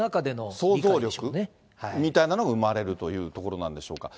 想像力みたいなものが生まれるということなんでしょうか。